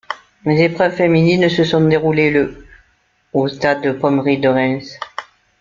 Les épreuves féminines se sont déroulées le au Stade Pommery de Reims.